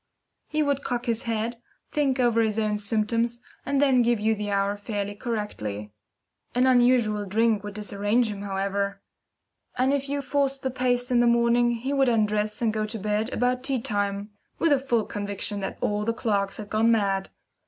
He would cock his head, think over his own symptoms, and then give you the hour fairly correctly. An unusual drink would disarrange him, however; and if you forced the pace in the morning, he would undress and go to bed about tea time, with a full conviction that all the clocks had gone mad.